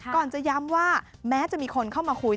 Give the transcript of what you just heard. ก่อนจะย้ำว่าแม้จะมีคนเข้ามาคุย